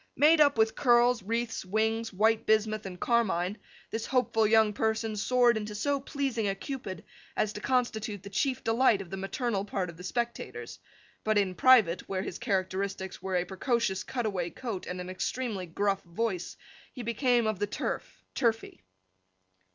Made up with curls, wreaths, wings, white bismuth, and carmine, this hopeful young person soared into so pleasing a Cupid as to constitute the chief delight of the maternal part of the spectators; but in private, where his characteristics were a precocious cutaway coat and an extremely gruff voice, he became of the Turf, turfy.